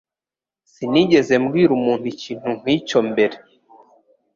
Sinigeze mbwira umuntu ikintu nkicyo mbere